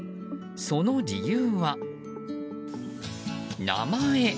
その理由は、名前。